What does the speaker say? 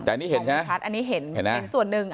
แต่อันนี้เห็นไหมอันนี้เห็นส่วนหนึ่ง